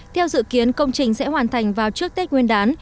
theo dự kiến công trình sẽ hoàn thành vào trước tết nguyên đán